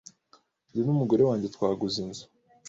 Jye n'umugore wanjye twaguze inzu,